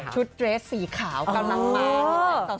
ชุดเดรสสีขาวกำลังมา